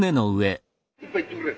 一杯いっとくれ。